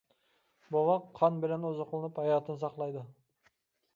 بوۋاق قان بىلەن ئوزۇقلىنىپ ھاياتىنى ساقلايدۇ.